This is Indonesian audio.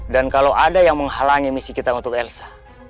dan kalau ada yang menghalangi misi kita untuk elsa